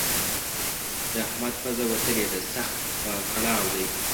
د احمد پزه وتلې ده؛ سخت په کړاو دی.